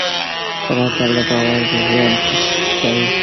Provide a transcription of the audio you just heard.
پرته له باور ژوند تش ښکاري.